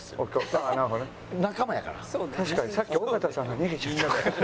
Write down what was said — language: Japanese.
確かにさっき尾形さんから逃げちゃったから。